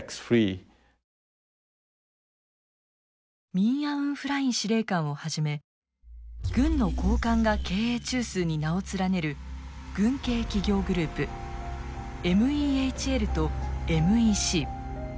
ミン・アウン・フライン司令官をはじめ軍の高官が経営中枢に名を連ねる軍系企業グループＭＥＨＬとＭＥＣ。